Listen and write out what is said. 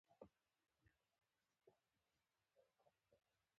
معلومه نه وه غزا کوي او کنه.